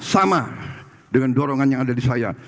sama dengan dorongan yang ada di saya